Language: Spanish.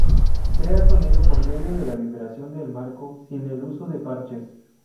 Crea sonido por medio de la vibración del marco, sin el uso de parches.